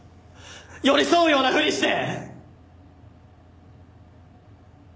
寄り添うようなふりして！